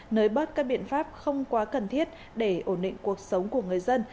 nới bớt các biện pháp không quá cần thiết để ổn định cuộc sống của người dân